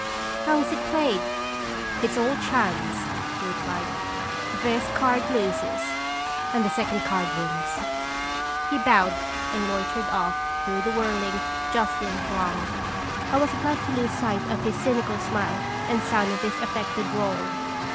How is it played?" "It is all chance," he replied; "the first card loses, and the second card wins." He bowed and loitered off through the whirling, jostling throng. I was glad to lose sight of his cynical smile and sound of his affected drawl.